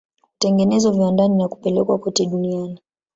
Hutengenezwa viwandani na kupelekwa kote duniani.